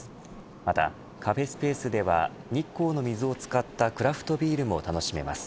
また、カフェスペースでは日光の水を使ったクラフトビールも楽しめます。